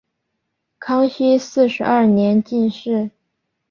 康熙四十二年进士。